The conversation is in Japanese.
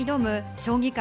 将棋界